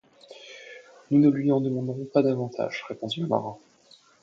Nous ne lui en demanderons pas davantage, » répondit le marin.